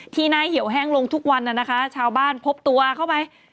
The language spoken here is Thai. ที่นายเหี่ยวแห้งลงทุกวันชาวบ้านพบตัวเข้าไป